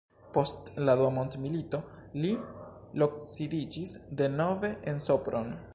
Post la dua mondmilito li loksidiĝis denove en Sopron.